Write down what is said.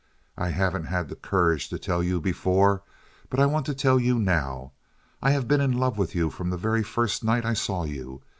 I haven't had the courage to tell you before, but I want to tell you now. I have been in love with you from the very first night I saw you.